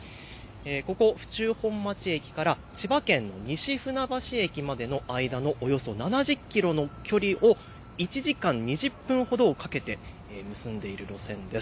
ここ府中本町駅から千葉県西船橋駅までの間のおよそ７０キロの距離を１時間２０分ほどをかけて結んでいる路線です。